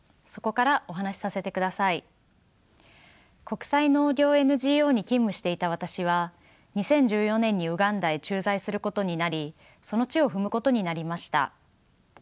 国際農業ＮＧＯに勤務していた私は２０１４年にウガンダへ駐在することになりその地を踏むことになりました。